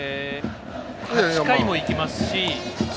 ８回もいきますし。